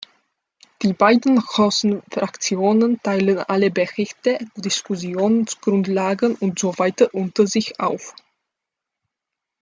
Die beiden großen Fraktionen teilen alle Berichte, Diskussionsgrundlagen und so weiter unter sich auf.